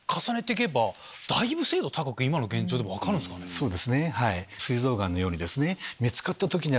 そうですね。